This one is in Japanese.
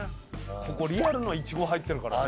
ここリアルのイチゴ入ってるからね。